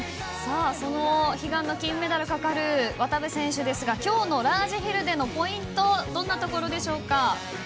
悲願の金メダルがかかる渡部選手ですが今日のラージヒルでのポイントはどんなところでしょうか？